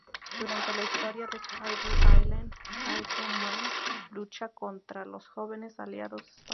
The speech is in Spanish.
Durante la "historia de Spider-Island", Hydro-Man lucha contra los jóvenes aliados y Spider-Man.